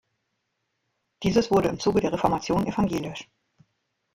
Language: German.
Dieses wurde im Zuge der Reformation evangelisch.